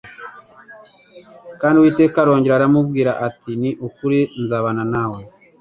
Kandi Uwiteka arongera aramubwira ati : "Ni ukuri nzabana nawe."